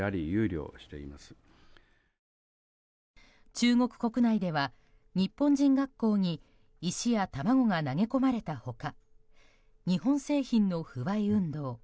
中国国内では日本人学校に石や卵が投げ込まれた他日本製品の不買運動